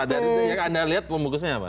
pembungkusnya itu apa